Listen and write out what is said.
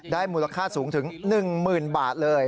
ได้มูลค่าสูงถึง๑หมื่นบาทเลย